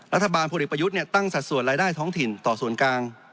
พลเอกประยุทธ์ตั้งสัดส่วนรายได้ท้องถิ่นต่อส่วนกลาง